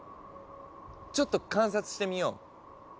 ちょっと観察してみよう。